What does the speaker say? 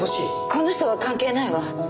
この人は関係ないわ。